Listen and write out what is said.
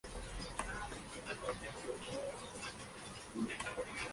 Sin embargo, el barrio fue el único que se concretó.